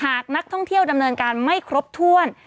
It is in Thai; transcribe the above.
หากนักท่องเที่ยวดำเนินการไม่ครบถ้วน